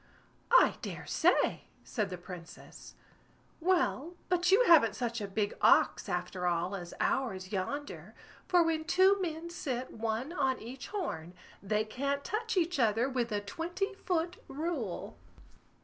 "I dare say!" said the Princess. "Well, but you haven't such a big ox, after all, as ours yonder; for when two men sit one on each horn, they can't touch each other with a twenty foot rule."